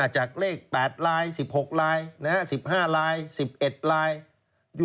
จากเลข๘ลาย๑๖ลาย๑๕ลาย๑๑ลาย